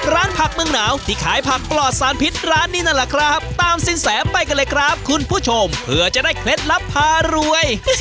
ผักเมืองหนาวที่ขายผักปลอดสารพิษร้านนี้นั่นแหละครับตามสินแสไปกันเลยครับคุณผู้ชมเผื่อจะได้เคล็ดลับพารวย